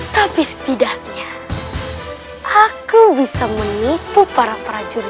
tapi setidaknya dia akan menghubungiku dengan kerajaan saya